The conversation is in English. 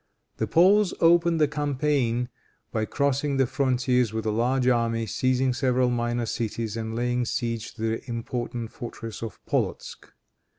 The Poles opened the campaign by crossing the frontiers with a large army, seizing several minor cities and laying siege to the important fortress of Polotzk.